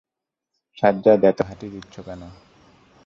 সাজ্জাদ, এত হাঁচি দিচ্ছো কেন?